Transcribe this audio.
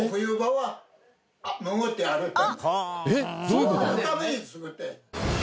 そのために造って。